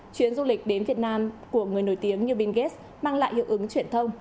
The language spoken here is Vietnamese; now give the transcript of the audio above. chuyến du lịch đến việt nam của người nổi tiếng như binh ghét mang lại hiệu ứng truyền thông